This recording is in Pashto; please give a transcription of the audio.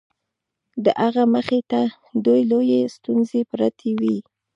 د هغه مخې ته دوې لويې ستونزې پرتې وې.